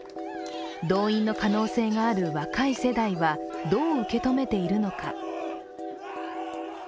動員の可能性がある若い世代はどう受け止めているのか。